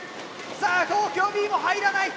さあ東京Ｂも入らない。